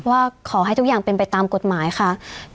ว่าขอให้ทุกอย่างเป็นไปตามกฎหมายค่ะ